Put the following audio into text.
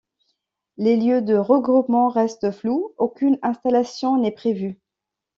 Les lieux de regroupement restent flous, aucune installation n’est prévue.